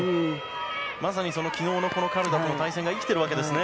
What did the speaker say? まさに昨日のカルダとの対戦が生きているわけですね。